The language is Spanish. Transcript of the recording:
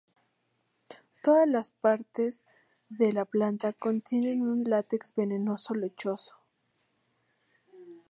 Todas las partes de la planta contienen un látex venenoso lechoso.